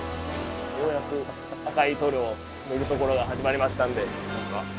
ようやく赤い塗料を塗るところが始まりましたんで。